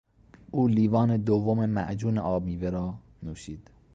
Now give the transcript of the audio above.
او لیوان دوم معجون آب میوه را نوشید.